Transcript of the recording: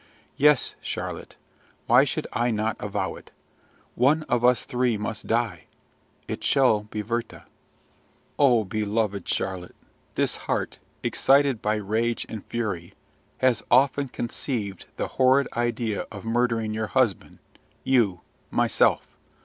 Yes, Charlotte, why should I not avow it? One of us three must die: it shall be Werther. O beloved Charlotte! this heart, excited by rage and fury, has often conceived the horrid idea of murdering your husband you myself!